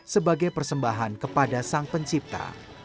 sebagai persembahan kepada sang pencipta